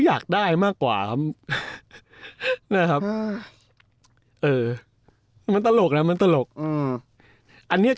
อยากได้มากกว่าครับนะครับเออมันตลกนะมันตลกอืมอันเนี้ย